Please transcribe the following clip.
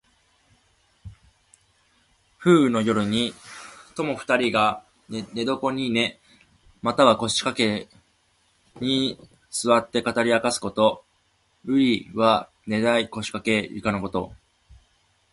風雨の夜に友二人が寝台に寝、またはこしかけにすわって語りあかすこと。「牀」は寝台・こしかけ・ゆかのこと。